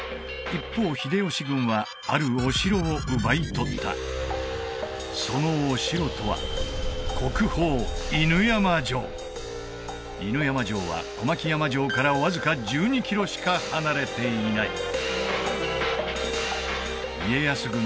一方秀吉軍はあるお城を奪い取ったそのお城とは犬山城は小牧山城からわずか１２キロしか離れていない家康軍